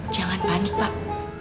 jangan panik pak